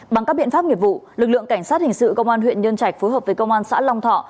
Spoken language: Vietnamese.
bằng các biện pháp nghiệp vụ lực lượng cảnh sát hình sự công an huyện nhân trạch phối hợp với công an xã long thọ